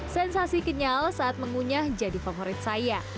sensasi kenyal saat mengunyah jadi favorit saya